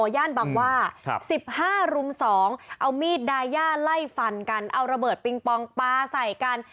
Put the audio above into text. ย่านบางว่า๑๕รุม๒เอามีดดายาไล่ฟันกันเอาระเบิดปิงปองปลาใส่กัน